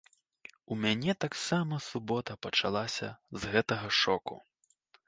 У мяне таксама субота пачалася з гэтага шоку.